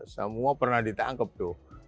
semua pernah ditangkap tuh